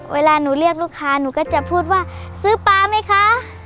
เวลาหนูเรียกลูกค้าหนูก็จะพูดว่าซื้อปลาไหมคะ